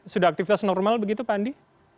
sudah aktivitas normal begitu pak andi